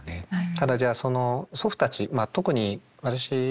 ただじゃあその祖父たちまあ特に私がね